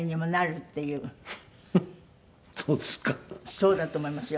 そうだと思いますよ。